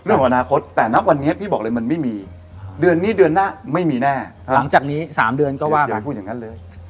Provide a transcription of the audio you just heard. เรื่องของอนาคตแต่ณวันนี้พี่บอกเลยมันไม่มีเดือนนี้เดือนหน้าไม่มีแน่หลังจากนี้๓เดือนก็ว่าอย่าไปพูดอย่างนั้นเลย